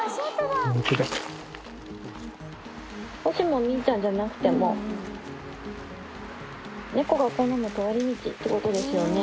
もしもみーちゃんじゃなくても、猫が好む通り道ってことですよね。